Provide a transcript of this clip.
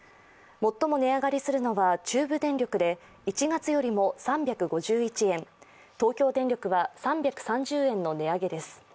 最も値上がりするのは中部電力で１月よりも３５１円、東京電力は３３０円の値上げです。